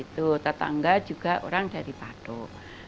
tetangga juga orang dari pado